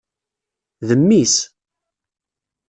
D mmi-s.